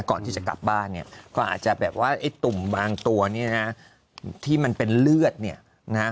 ก่อนที่จะกลับบ้านเนี่ยก็อาจจะแบบว่าไอ้ตุ่มบางตัวเนี่ยนะที่มันเป็นเลือดเนี่ยนะฮะ